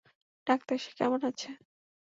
Doctor, সে কেমন আছে?